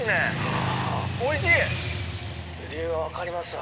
理由が分かりますわ